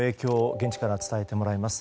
現地から伝えてもらいます。